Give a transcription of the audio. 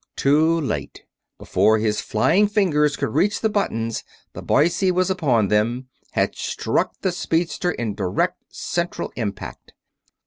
Too late. Before his flying fingers could reach the buttons the Boise was upon them; had struck the speedster in direct central impact.